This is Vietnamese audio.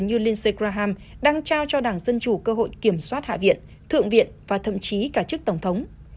như liên seraham đang trao cho đảng dân chủ cơ hội kiểm soát hạ viện thượng viện và thậm chí cả chức tổng thống